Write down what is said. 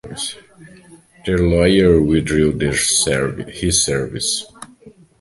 Their lawyer withdrew his services.